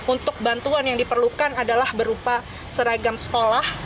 untuk bantuan yang diperlukan adalah berupa seragam sekolah